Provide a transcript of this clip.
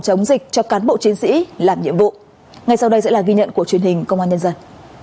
chống dịch cho cán bộ chiến sĩ làm nhiệm vụ ngay sau đây sẽ là ghi nhận của truyền hình công an nhân dân